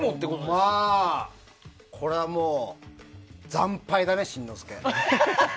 これはもう惨敗だね、新之助。